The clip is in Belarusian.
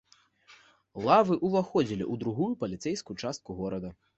Лавы ўваходзілі ў другую паліцэйскую частку горада.